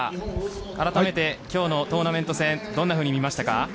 あらためて今日のトーナメント戦どんなふうに見ましたか？